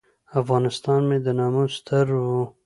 افغانستان مې د ناموس ستر و.